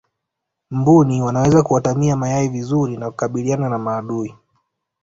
mbuni wanaweza kuatamia mayai vizuri na kukabiliana na maadui